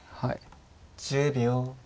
１０秒。